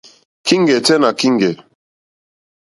Kíŋgɛ̀ tɛ́ nà kíŋgɛ̀.